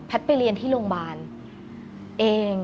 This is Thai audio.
แพทย์ไปเรียนที่โรงพยาบาล